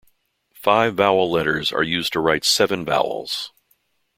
Five vowel letters are used to write seven vowels.